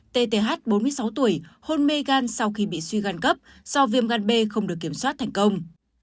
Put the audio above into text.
t t h bốn mươi sáu tuổi hôn mê gan sau khi bị suy gan cấp do viêm gan b không được kiểm soát thành công